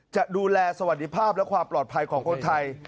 จะดูแลสวัสดีภาพและความปลอดภัยของคนไทย